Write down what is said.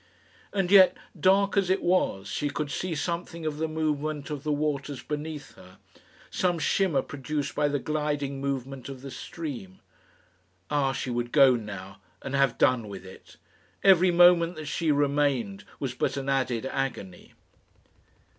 And yet, dark as it was, she could see something of the movement of the waters beneath her, some shimmer produced by the gliding movement of the stream. Ah! she would go now and have done with it. Every moment that she remained was but an added agony.